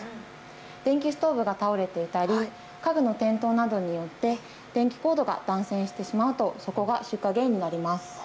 電気ストーブが倒れていたり家具の転倒などによって電気コードが断線してしまうとそこが出火原因になります。